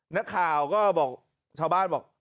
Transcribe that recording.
นักข่าวก็บอกชาวบ้านบอก